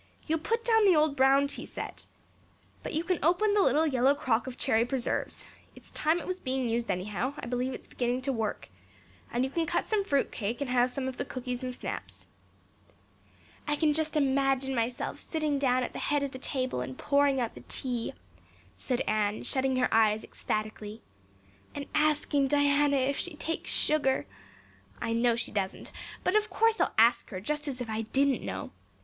You'll put down the old brown tea set. But you can open the little yellow crock of cherry preserves. It's time it was being used anyhow I believe it's beginning to work. And you can cut some fruit cake and have some of the cookies and snaps." "I can just imagine myself sitting down at the head of the table and pouring out the tea," said Anne, shutting her eyes ecstatically. "And asking Diana if she takes sugar! I know she doesn't but of course I'll ask her just as if I didn't know.